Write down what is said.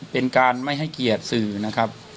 เป็นการไม่ให้เกียรติสื่อนะครับ